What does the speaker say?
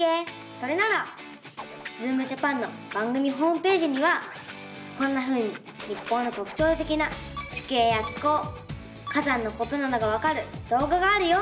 それなら「ズームジャパン」の番組ホームページにはこんなふうに日本のとくちょうてきな地形や気候火山のことなどがわかるどうががあるよ！